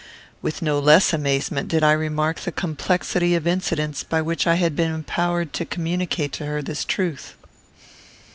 With no less amazement did I remark the complexity of incidents by which I had been empowered to communicate to her this truth.